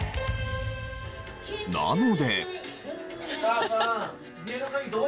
なので。